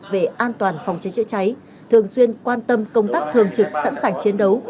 về an toàn phòng cháy chữa cháy thường xuyên quan tâm công tác thường trực sẵn sàng chiến đấu